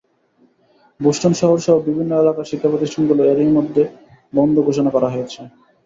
Boston শহরসহ বিভিন্ন এলাকার শিক্ষাপ্রতিষ্ঠানগুলো এরই মধ্যে বন্ধ ঘোষণা করা হয়েছে।